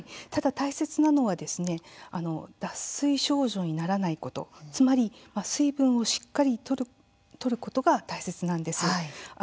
ただ大切なのは脱水症状にならないこと、水分をしっかりとることが大切なんです。